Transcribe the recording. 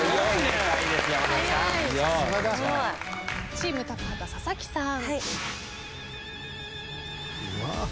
チーム高畑佐々木さん。